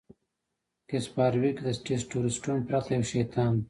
ګس فارویک د ټسټورسټون پرته یو شیطان دی